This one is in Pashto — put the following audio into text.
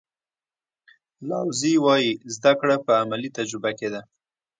لاوزي وایي زده کړه په عملي تجربه کې ده.